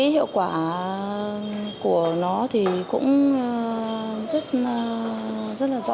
hiệu quả của nó cũng rất rõ ràng